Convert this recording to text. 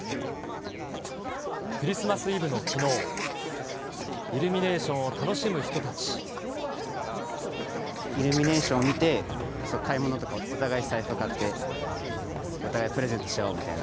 クリスマスイブのきのう、イルミネーション見て、買い物とかお互い財布を買って、お互いプレゼントし合おうみたいな。